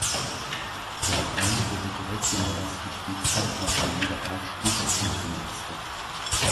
Der Verein wurde direkt in der ersten Spielzeit nach dem Wiederaufstieg Vizemeister.